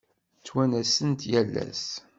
Ttwanasen-t yal ass.